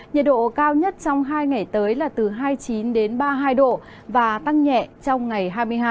nhiệt độ cao nhất trong hai ngày tới là từ hai mươi chín đến ba mươi hai độ và tăng nhẹ trong ngày hai mươi hai